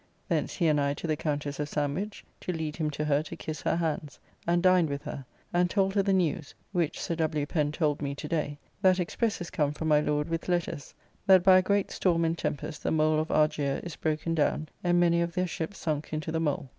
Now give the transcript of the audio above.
Thence he and I to the Countess of Sandwich, to lead him to her to kiss her hands: and dined with her, and told her the news (which Sir W. Pen told me to day) that express is come from my Lord with letters, that by a great storm and tempest the mole of Argier is broken down, and many of their ships sunk into the mole.